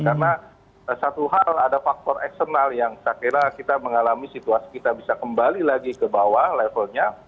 karena satu hal ada faktor eksternal yang saya kira kita mengalami situasi kita bisa kembali lagi ke bawah levelnya